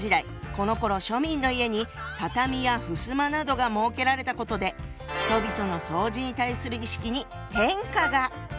このころ庶民の家に畳やふすまなどが設けられたことで人々の掃除に対する意識に変化が！